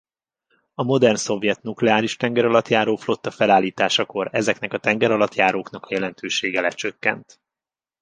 A modern szovjet nukleáris tengeralattjáró-flotta felállításakor ezeknek a tengeralattjáróknak a jelentősége lecsökkent.